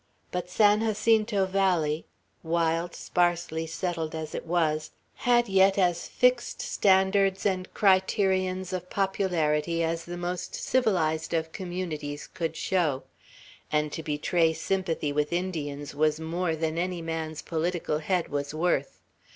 But San Jacinto Valley, wild, sparsely settled as it was, had yet as fixed standards and criterions of popularity as the most civilized of communities could show; and to betray sympathy with Indians was more than any man's political head was worth.